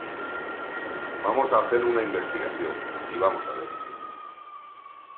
Vamos a hacer una investigación y vamos a ver.